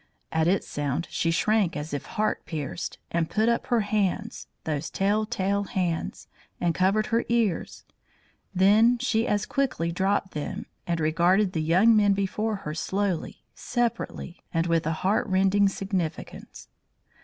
At its sound she shrank as if heart pierced, and put up her hands those tell tale hands and covered her ears; then she as quickly dropped them, and regarded the young men before her slowly, separately, and with a heartrending significance.